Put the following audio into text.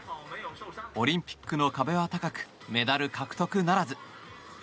オリンピックの壁は高くメダル獲得はならず。